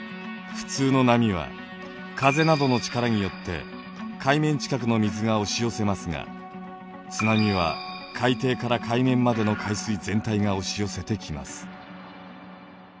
普通の波は風などの力によって海面近くの水が押し寄せますが津波は海底から海面までの海水全体が押し寄せてきます。